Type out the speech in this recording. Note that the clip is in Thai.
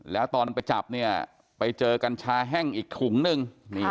แล้วตอนไปจับเนี่ยไปเจอกัญชาแห้งอีกถุงนึง